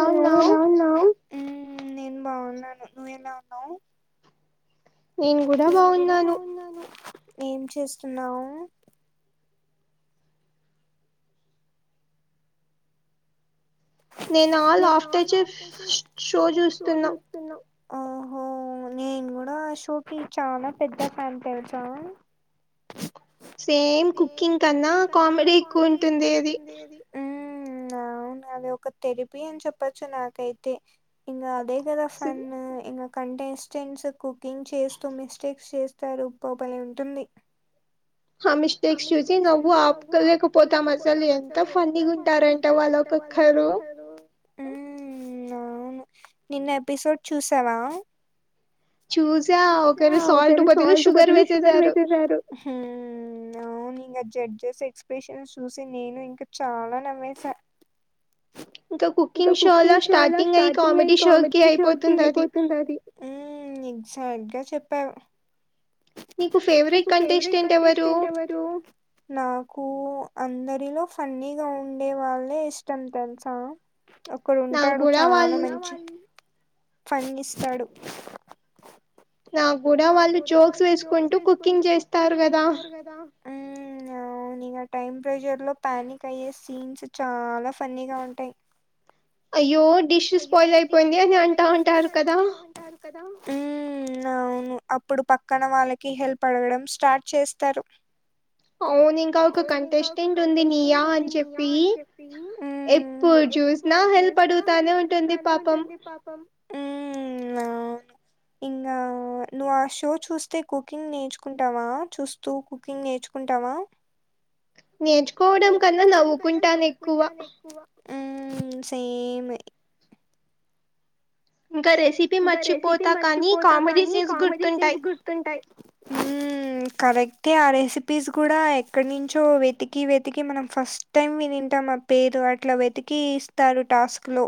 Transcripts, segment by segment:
Hello ఎలా ఉన్నావ్? ఉమ్ నేను బావున్నాను. నువ్వెలా ఉన్నావు? నేను కూడా బావున్నాను. ఏం చేస్తున్నావు? నేన ఆల్ ఆఫ్టర్చఫ్ షో చూస్తున్నా ఆహో నేను కూడా ఆ షో కి చాలా పెద్ద ఫ్యాన్ తెలుసా? సేమ్ కుకింగ్ కన్నా కామెడీ ఎక్కువ ఉంటుంది ఏది మ్ నవును అది ఒక తెరిపి అని చెప్పచ్చు నాకైతే ఇంగా దే కద ఫన్ ఇంగ కంటెస్టెంట్స్ కుకింగ్ చేస్తూ మిస్టేక్స్ చేస్తారు పోపలి ఉంటుంది. ఆ మిస్టేక్స్ చూసి నవ్వు ఆపుకోలేకపోతా మసలు ఎంత ఫన్నిగా ఉంటారంటే వాళ్ళ వా లో కత్తరు అవును నిన్న ఎపిసోడ్ చూసవా చూసా ఒకే సాల్ట్ బదులు షుగర్ వేసేశారు అవును ఇంకా జడ్జెస్ ఎక్స్ప్రెషన్స్ చూసి నేను ఇంకా చాలా నమ్మేసా ఇంకా కుకింగ్ షో లో స్టార్టింగ్ అయి కామెడీ షో కి అయిపోతుంది అది సరిగ్గా చెప్పావు నీకు ఫేవరెట్ కంటెస్టెంట్ ఎవరు అందరిలో ఫన్నీగా ఉండే వాళ్ళే ఇష్టం తెలుసా ఒక్కడు ఉంటాడు చాలా మంచి పంగిస్తాడు నా కూడా వాళ్ళు జోక్స్ వేసుకుంటూ కుకింగ్ చేస్తారు కదా ఆ అవును ఇంగ టైం ప్రెషర్ లో ప్యానిక్ అయ్యే సీన్స్ చాలా ఫన్నీగా ఉంటాయి అయ్యో డిష్స్ స్పాయిల్ అయిపోయింది అని అనుకుంటా ఉంటారు కదా అవును అప్పుడు పక్కన వాళ్ళకి హెల్ప్ అడగడం స్టార్ట్ చేస్తారు అవును ఇంకా ఒక కంటెస్టెంట్ ఉంది నియా అని చెప్పి ఎప్పు జ్యూస్నా హెల్ప్ అడుగుతానే ఉన్ తానే ఉంటుంది పాపం ఇంగా నువ్వు ఆ షో చూస్తే కుకింగ్ నేర్చుకుంటావా చూస్తూ కుకింగ్ నేర్చుకుం టవా నేర్చుకోవడం కన్నా నవ్వుకుంటాను ఎక్కువ ఉ సేమ్ ఇంకా రెసిపీ మర్చిపోతా కానీ కామెడీ సీన్స్ గుర్తుంటాయి కరెక్టే ఆ రెసిపీస్ కూడా ఎక్కడి నుంచో వెతికి వెతికి మనం ఫస్ట్ టైం వింనిం టం ఆ పేరు అట్లా వెతికి ఇస్తారు టాస్క్ లో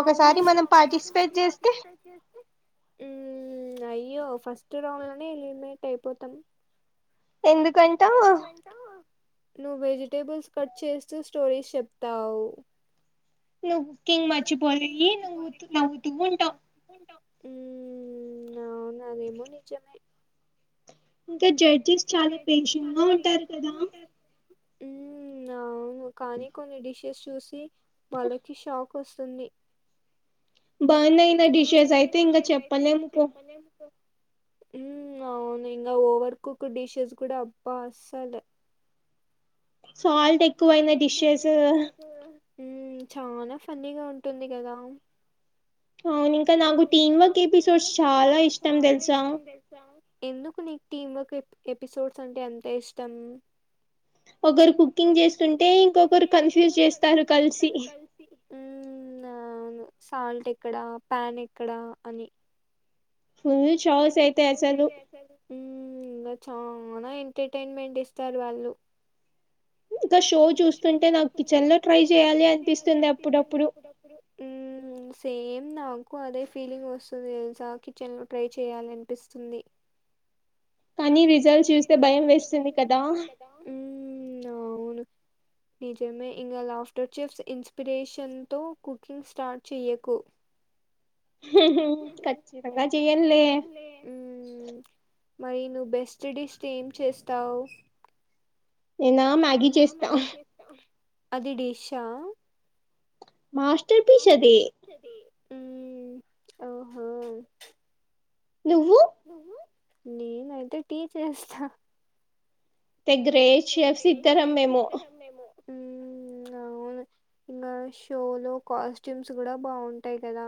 అవును ఇంకా ఒకసారి మనం పార్టిసిపేట్ చేస్తే ఉ అయ్యో ఫస్ట్ రౌండ్ లోనే ఎలిమినేట్ అయిపోతాం ఎందుకంటా నువ్వు వెజిటేబుల్స్ కట్ చేస్తూ స్టోరీస్ చెప్తావు నువు కుకింగ్ మర్చిపోయి నవ్వుతూ నవ్వుతూ ఉంటావ్ ఉ అవునాదేమో నిజమే ఇంకా జడ్జెస్ చాలా పేషంట్ గా ఉంటారు కదా ఉ అవును కానీ కొన్ని డిషెస్ చూసి వాళ్ళకి షాక్ వస్తుంది బాన్ అయినా డిషెస్ అయితే ఇంకా చెప్పలేముపో ఉ అవును ఇంకా ఓవర్ కుక్ డిషెస్ కూడా అబ్బా అసల్ సాల్ట్ ఎక్కువయింది డిషెస్ ఉ చాలా ఫన్నీగా ఉంటుంది కదా అవును ఇంకా నాకు టీన్ వర్క్ ఎపిసోడ్స్ చాలా ఇష్టం తెల్సా ఎందుకు నీకు టీం వర్క్ ఎప్ ఎపిసోడ్స్ అంటే అంత ఇష్టం ఒకరు కుకింగ్ చేస్తుంటే ఇంకొకరు కలిసి కన్ఫ్యూస్ చేస్తారు కలిసి సాల్ట్ ఎక్కడా ప్యాన్ ఎక్కడా అని ఊ చానా ఎంటర్టైన్మెంట్ ఇస్తారు వాళ్ళు ఇక షో చూస్తుంటే నాకు చిన్న ట్రై చేయాలి అనిపిస్తుంది అప్పుడప్పుడు సేమ్ నాకు అదే ఫీలింగ్ వస్తుంది తెలుసా కిచెన్ లో ట్రై చేయాల అనిపిస్తుంది కాని విజయ్ చూస్తే భయం వేస్తుంది కదా ఊ అవును నిజమే ఇంగ లాఫ్టర్ చిప్స్ ఇన్స్పిరేషన్ తో కుకింగ్ స్టార్ట్ చెయ్యకు కచ్చితంగా చేయన్లే మరి నువ్వు బెస్ట్ డిష్ ఏం చేస్తావు నేనా మ్యాగీ చేస్తా అది డిశా మాస్టర్ పీస్ అది ఉమ్ ఓహో నువ్వు నేనైతే టీ చేస్తా దగ్గరే చెఫ్స్ ఇత్తనము మేము ఉ అవును ఇంకా షో లో కాస్ట్యూమ్స్ కూడా బాగుంటాయి కదా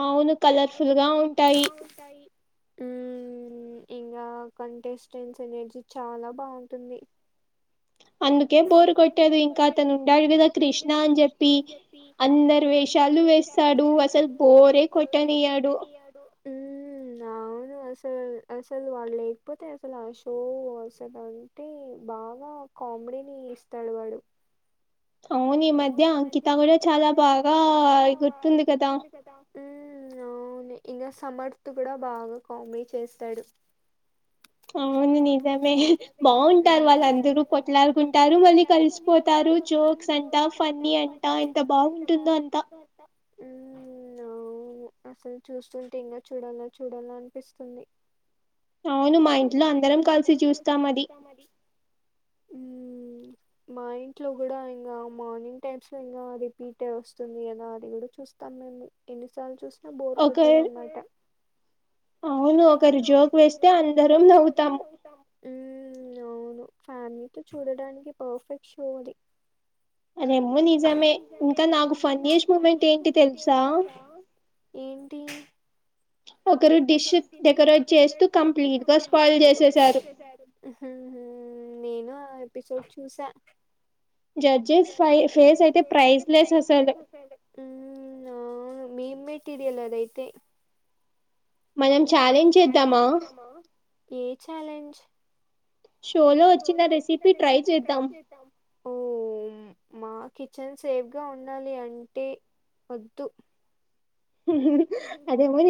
అవును కలర్ఫుల్ గా ఉంటాయి ఇంగా కంటెస్టెంట్స్ ఎనర్జీ చాలా బాగుంటుంది అందుకే బోరు కొట్టదు ఇంకా తను ఉండాడు కదా కృష్ణ అని చెప్పి అందరు వే సాలు వేస్తాడు అసలు బోరే కొట్టనియ్యడు అవును అసలు అసలు వాళ్ళు లేకపోతే అసలు ఆ షో అసలు అంతే బాగా కామెడీని ఇస్తాడు వడు అవును ఈ మధ్య అంకిత కూడా చాలా బాగా గుర్తుంది కదా ఉ అవును ఇంగ సమర్త్ కూడా బాగా కామెడీ చేస్తడు అవును నిజమే బాగుంటారు వాళ్ళందరూ కొట్లాడుకుంటారు మళ్ళీ కలిసిపోతా తారు జోక్స్ అంటా ఫన్నీ అంట ఎంత బాగుంటుందో అంత [inaudible] అసలు చూస్తుంటే ఇంకా చూడాలా చూడాలా అనిపిస్తుంది అవును మా ఇంట్లో అందరం కలిసి చూస్తాం అది హ్మ్మ్ మా ఇంట్లో కూడా ఇంగా మార్నింగ్ టైమ్స్ లో ఇంగా రిపీట్ అయి వస్తుంది కదా అది కూడా చూస్తాం మేము ఎన్నిసార్లు చూస్ బోర్ కొట్టదా ఉందంట హ్మ్మ్ అవును ఫ్యామిలీతో చూడడానికి పర్ఫెక్ట్ షో అది అదేమో నిజమే ఇంకా నాకు ఫన్నియస్ట్ మూమెంట్ ఏంటి తెలుసా [inaudible] ఒకరు డిష్ డెకరేట్ చేస్తూ కంప్లీట్ గా స్పాయిల్ చేసేసారు [inaudible] ఎపిసోడ్ చూసా జడ్జస్ ఫై ఫేస్ అయితే ప్రైజ్ లెస్ అసలు మేమీటీరియల్ అదైతే మనం ఛాలెంజ్ చేద్దామా ఏ ఛాలెంజ్ ఫోన్లో వచ్చిందనేసి ట్రై చేసాం. కిచెన్ సేఫ్గా ఉండాలి అంటే వద్దు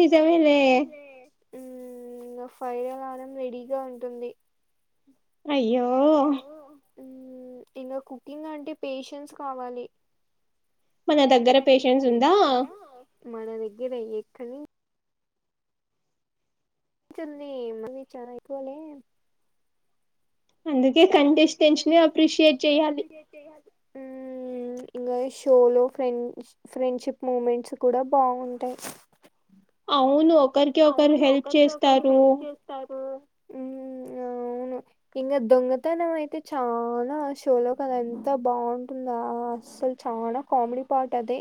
అదేమో నిజమేలే. ఫైనల్ హారం రెడీగా ఉంటుంది. అయ్యో! ఇంగ కుకింగ్ అంటే పేషెన్స్ కావాలి. మన దగ్గర పేషెన్స్ ఉందా? మన దగ్గర ఎక్కది యాక్చవల్లీ మళ్ళీ చాలా ఎక్కువలే అందుకే కంటెస్టెన్స్ అప్రిషియేట్ చెయ్యాలి. మ్ ఇంగ షోలో ఫ్రెండ్ ఫ్రెండ్షిప్ మూమెంట్స్ కూడా బాగుంటాయి. అవును ఒ అవును ఒకరికి ఒకరు హెల్ప్ చేస్తారు. [inaudible] ఇంగ దొంగతనం అయితే చాలా షోలో కాదంత బాగుంటుందాస్ వల్ చానా కామెడి పార్ట్ అదే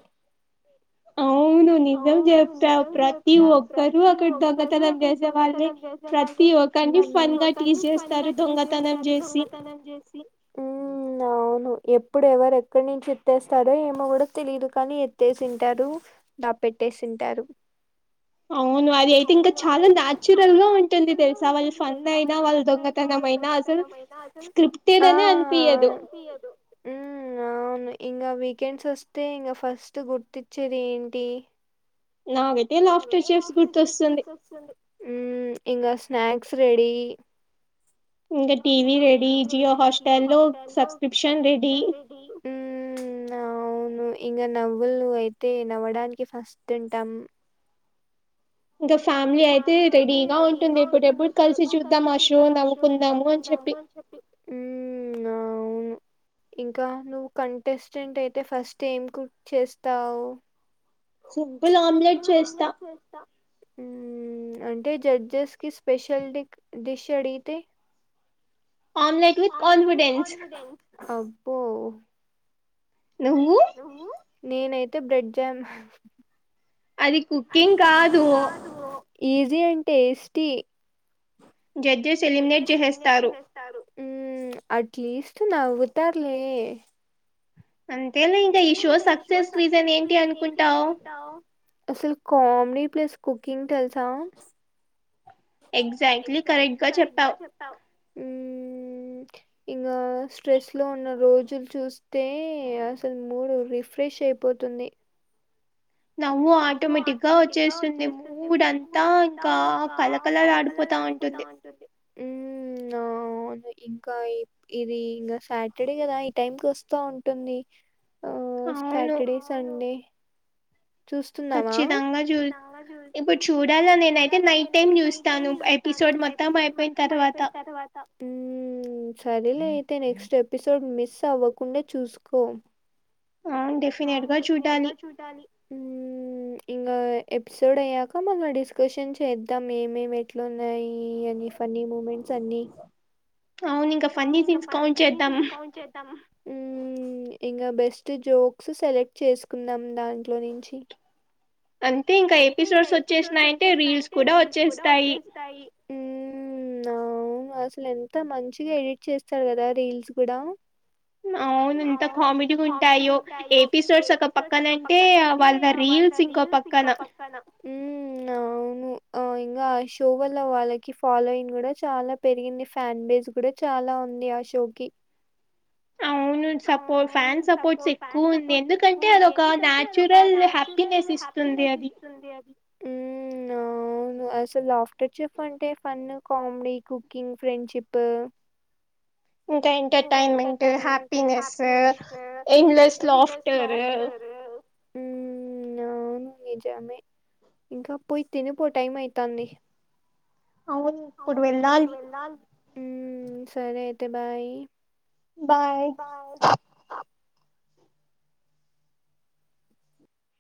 అవునున్ నిజం చెప్పావ్ ప్రతి ఒక్కరూ అక్కడ దొంగతనం చేసే వాళ్ళే ప్రతి ఒక్క ప్రతి ఒకర్ని ఫన్ తీసేస్తారు దొంగతనం చేసి అవును ఎప్పుడ్ ఎవర్ ఎక్కడి నుంచి ఎత్తేస్తారో ఏమో గుడా తెలీదు కానీ ఎత్తేసింటారు. దా పెట్టేసింటారు. అవును అది అయితే ఇంకా చాలా నాచురల్గా ఉంటుంది తెల్సా వాళ్ళు ఫన్ అయినా వాళ్ దొంగతనం ఆ.... మ్మ్ మ్ అవును ఇంగ వీకెండ్స్ వస్తే ఇంగ ఫస్ట్ గుర్తిచ్చేద్ ఏంటి? నాకైతే లాఫ్ టుషర్స్ గుర్తొస్తుంది. మ్ ఇంగ స్నాక్స్ రెడీ ఇంకా టీవి రెడీ జియో హోస్టర్లో సబ్స్క్రిప్షన్ రెడి అవును ఇంగ నవ్వుల్ నువ్ అయితే నవ్వడానికి ఫస్ట్ ఉంటాం. ఇంకా ఫ్యామిలీ అయితే రెడీగా ఉంటుంది ఎప్పుడెప్పుడ్ కల్సి చూద్దాం ఆ షో నవ్వుకుందాము అని చెప్పి మ్ అవున్ ఇంకా నువ్వు కంటెస్టెంట్ అయితే ఫస్ట్ ఏం కుక్ చేస్తావ్? సుబ్బుల్ ఆమ్లెట్ చేస్తా. మ్ అంటే జడ్జెస్కి స్పెషల్ డిక్ డిష్ అడిగితే ఆమ్లెట్ విత్ కాన్ఫిడెన్స్ పో నువ్వు? నేనైతే బ్రెడ్ జామ్ అది కుకింగ్ కాదు. Easy and tasty judges eliminate చేసేస్తారు. మ్ అట్లీస్ట్ నవ్వుతార్లే అంతేలే ఇంక ఈ షో సక్సెస్ రీజన్ ఏంటి అనుకుంటావ్ అసల్ కామెడీ ప్లస్ కుకింగ్ తెల్సా ఎక్సాట్లీ కరెక్ట్గా చెప్పావ్ ఇంకా స్ట్రెస్ లో ఉన్న రోజులు చూస్తే అసలు మూడు రిఫ్రె ష అయిపోతుంది నవ్వు ఆటోమేటిక్ గా వచ్చేస్తుంది మూడ అంతా ఇంకా కలకల తపోతా ఉంటుంది అవును ఇంకా ఇది ఇంకా సాటర్డే కదా ఈ టైంకి వస్తా ఉంటుంది ఉ సటర్డే సండే చూస్తున్నామా ఖచ్చితంగా చూ ఇప్పుడు చూడాలా నేనైతే నైట్ టై చూ తాను ఎపిసోడ్ మొత్తం అయిపోయిన తర్వాత సరేలే అయితే నెక్స్ట్ ఎపిసోడ్ మిస్ అవ్వకుడా చూసుకో ఆ డెఫినెట్ గా చూడాలి ఇంకా ఎపిసోడ్ అయ్యాక మనం డిస్కషన్ చేద్దాం ఏమేమి ఎట్లు ఉన్నాయి అని ఫన్నీ మూమెంట్స్ అనీ అవును ఇంకా ఫన్నీ సీన్స్ కౌంట్ చేద్దాం ఉ ఇంకా బెస్ట్ జోక్స్ సెలెక్ట్ చేసుకుందాం దాంట్లో నుంచి అంటే ఇంకా ఎపిసోడ్స్ వచ్చేసినాయంటే రీల్స్ కూడా వచ్చేస్తాయి ఉ అవు అసలు ఎంత మంచిగా ఎడిట్ చేస్తారు కదా రీల్స్ కూడా అవును ఇంత కామెడీ ఉంటాయో ఎపిసోడ్స్ ఒక పక్కనంటే వాళ్ళ రీల్స్ ఇంకో పక్క పక్కన ఇంకా షో వల్ల వాళ్ళకి ఫాలోయింగ్ కూడా చాలా పెరిగింది ఫ్యాన్ బేస్ కూడా చాలా ఉంది ఉంది ఆ షో కి అవును సపోర్ట్ ఫ్యాన్ సపోర్ట్స్ ఎక్కువ ఉంది ఎందుకంటే అది ఒక నాచురల్ హ్యాపీనెస్ ఇస్తు హ్యాపీనెస్ ఇస్తుంది అది అవును అసలు ఆఫ్టర్ చెఫ అంటే ఫన్ కామెడీ కుకింగ్ ఫ్రెండ్షిప్ ఇంకా ఎంటర్టైన్మెంట్ హ్యాపీినెస్ ఎంలెస్ ఫటర్ అవును నిజమే ఇంకా పోయి తినిపో టైం అయితంది అవును ఇప్పుడు వెళ్ళాలి ఉ సరే అయితే బాయ్ బాయ్